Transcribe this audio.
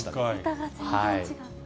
桁が全然違う。